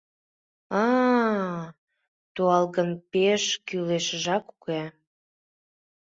— А-а-а, туалгын пеш кӱлешыжак уке...